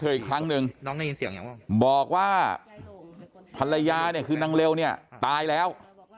อีกครั้งหนึ่งบอกว่าภรรยาเนี่ยคือนางเร็วเนี่ยตายแล้ว